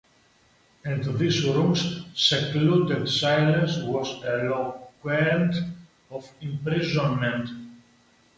And this room’s secluded silence was eloquent of imprisonment!